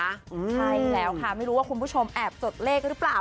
ใช่แล้วค่ะไม่รู้ว่าคุณผู้ชมแอบจดเลขหรือเปล่า